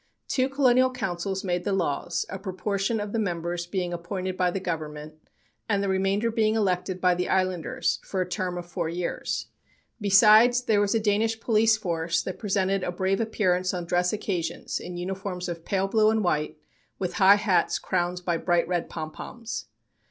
Two colonial councils made the laws, a proportion of the members being appointed by the Government, and the remainder being elected by the islanders for a term of four years. Besides, there was a Danish police force that presented a brave appearance on dress occasions in uniforms of pale blue and white, with high hats crowned by bright red pompoms.